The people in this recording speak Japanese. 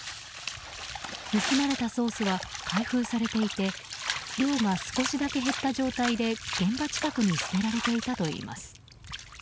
盗まれたソースは開封されていて量が少しだけ減った状態で現場近くに捨てられていたといいます。